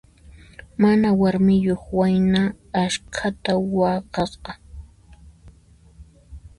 Mana warmiyuq wayna askhata waqasqa.